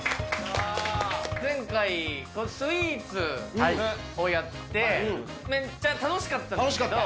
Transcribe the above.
前回、スイーツをやって、めっちゃ楽しかったんですけど。